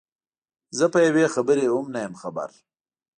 زه په یوې خبرې هم نه یم خبر.